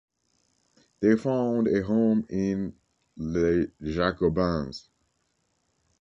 They found a home in "Les Jacobins".